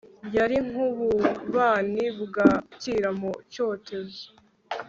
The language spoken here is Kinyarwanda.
yari nk'ububani bwakira mu cyotezo